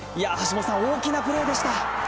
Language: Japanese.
橋下さん、大きなプレーでした。